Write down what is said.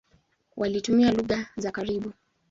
Walitumia lugha za karibu.